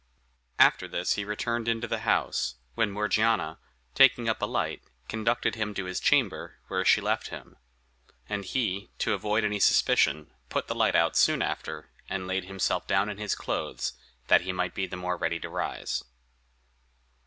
After this he returned into the house, when Morgiana, taking up a light, conducted him to his chamber, where she left him; and he, to avoid any suspicion, put the light out soon after, and laid himself down in his clothes, that he might be the more ready to rise.